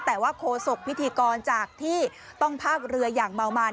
แต่ว่าโคศกพิธีกรจากที่ต้องพากเรืออย่างเมามัน